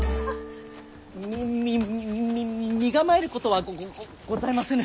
みみみ身構えることはごごございませぬ。